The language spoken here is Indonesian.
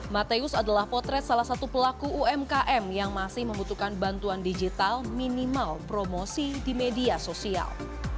mateus adalah potret salah satu pelaku umkm yang masih membutuhkan bantuan digital minimal promosi di media sosial